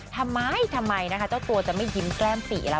ทำไมทำไมนะคะเจ้าตัวจะไม่ยิ้มแก้มปี่ล่ะ